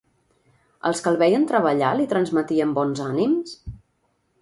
Els que el veien treballar li transmetien bons ànims?